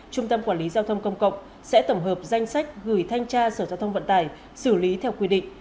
trung tâm quản lý giao thông công cộng sẽ tổng hợp danh sách gửi thanh tra sở giao thông vận tải xử lý theo quy định